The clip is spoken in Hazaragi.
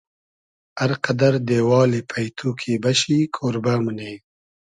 ار قئدئر دېوالی پݷتو کی بئشی کۉربۂ مونی